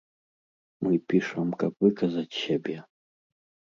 Мы пішам, каб выказаць сябе.